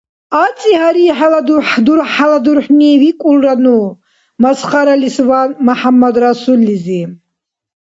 — Ацци, гьари хӀела дурхӀяла дурхӀни?! — викӀулра ну, масхаралисван, МяхӀяммадрасуллизи.